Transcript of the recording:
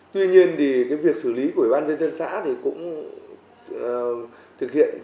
tuy nhiên thì cái việc xử lý của ubnd xã thì cũng thực hiện